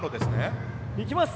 行きます。